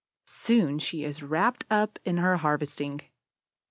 Soon she is wrapped up in her harvesting.